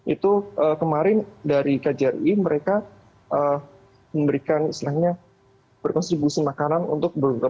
itu kemarin dari kjri mereka memberikan istilahnya berkonstribusi makanan untuk beberapa